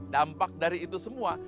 dampak dari itu semua